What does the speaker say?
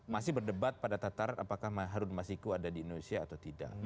masih berdebat pada tataran apakah harun masiku ada di indonesia atau tidak